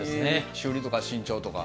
修理とか新調とか。